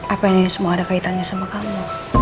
apa ini semua ada kaitannya sama kamu